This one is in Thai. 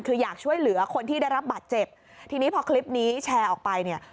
คืออยากช่วยเหลือคนที่ได้รับบาดเจ็บทีนี้พอคลิปนี้แชร์ออกไปเนี่ย